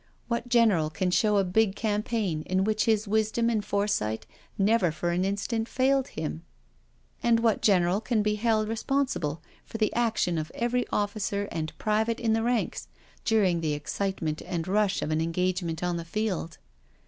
What general can show a big campaign in which his wisdom and foresight never for an instant failed him? And what general can be held responsible for the action of every officer and private in the ranks, during the excite ment and rush of an engagement on the field?